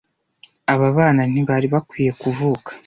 aba bana ntibari bakwiye kuvuka